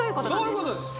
そういうことです